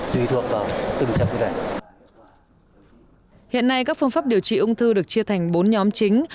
tùy thuộc vào từng trận cụ thể hiện nay các phương pháp điều trị ung thư được chia thành bốn nhóm chính